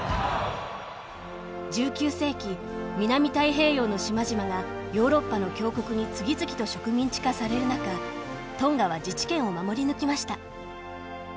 １９世紀南太平洋の島々がヨーロッパの強国に次々と植民地化される中トンガは自治権を守り抜きました。